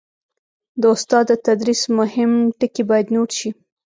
د استاد د تدریس مهم ټکي باید نوټ شي.